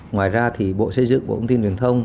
ngoài ra thì bộ xây dựng bộ thông tin truyền thông